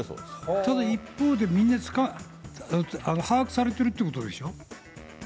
ただ一方で、みんな把握されてるということでしょ。